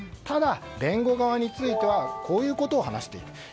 ただ、弁護側についてはこういうことを話している。